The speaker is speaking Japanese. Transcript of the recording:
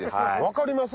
分かります？